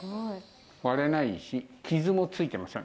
割れないし、傷もついてません。